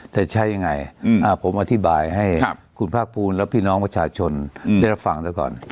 แต่ใช้ยังไงผมอธิบายให้คุณภาคภูมิและพี่น้องประชาชนได้รับฟังแล้วก่อน